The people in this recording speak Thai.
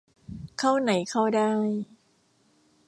เข้าไหนเข้าได้